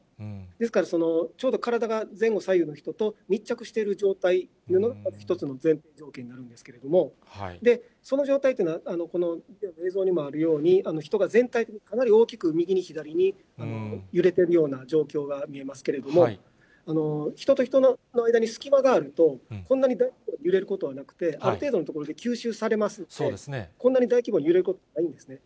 ですから、ちょうど体が前後左右の人と密着している状態というのが１つの前提条件なんですけれども、その状態というのは、この映像にもあるように、人が全体的にかなり大きく右に左に揺れてるような状況が見えますけれども、人と人の間に隙間があると、こんなに大規模に揺れることはなくて、ある程度のところで吸収されますので、こんなに大規模に揺れることはないんですね。